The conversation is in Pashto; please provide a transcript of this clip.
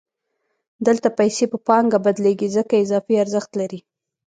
دلته پیسې په پانګه بدلېږي ځکه اضافي ارزښت لري